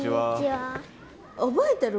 覚えてる？